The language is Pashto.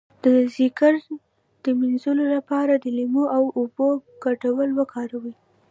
د ځیګر د مینځلو لپاره د لیمو او اوبو ګډول وکاروئ